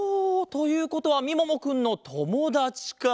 ということはみももくんのともだちか。